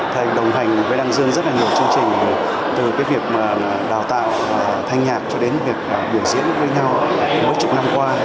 thầy đồng hành với đăng dương rất nhiều chương trình từ việc đào tạo thanh nhạc cho đến việc biểu diễn với nhau mỗi chục năm qua